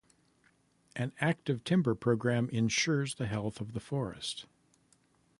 An active timber program insures the health of the forest.